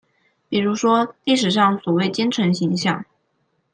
比如說歷史上所謂奸臣形象